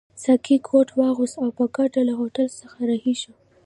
ساقي کوټ واغوست او په ګډه له هوټل څخه رهي شوو.